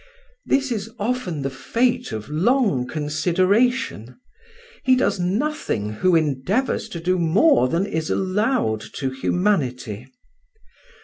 This is often the fate of long consideration; he does nothing who endeavours to do more than is allowed to humanity.